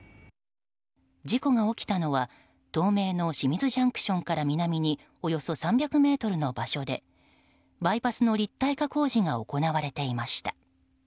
事故が起きたのは東名の清水ＪＣＴから南におよそ３００ｍの場所でバイパスの立体化工事が行われていました。